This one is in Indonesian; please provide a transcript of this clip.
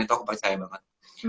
itu aku percaya banget